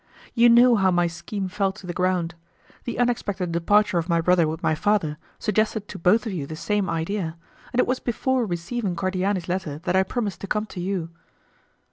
You know how my scheme fell to the ground. The unexpected departure of my brother with my father suggested to both of you the same idea, and it was before receiving Cordiani's letter that I promised to come to you.